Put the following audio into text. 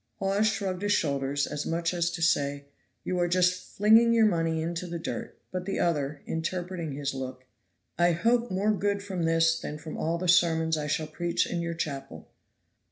Hawes shrugged his shoulders, as much as to say, "You are just flinging your money into the dirt;" but the other, interpreting his look, said: "I hope more good from this than from all the sermons I shall preach in your chapel."